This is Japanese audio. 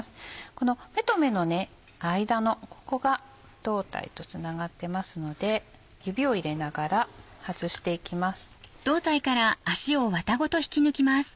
この目と目の間のここが胴体とつながってますので指を入れながら外していきます。